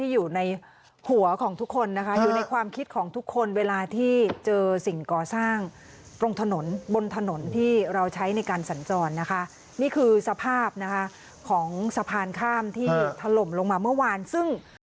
อยู่ในหัวของทุกคนนะคะอยู่ในความคิดของทุกคนเวลาที่เจอสิ่งก่อสร้างตรงถนนบนถนนที่เราใช้ในการสัญจรนะคะนี่คือสภาพนะคะของสะพานข้ามที่ถล่มลงมาเมื่อวานซึ่ง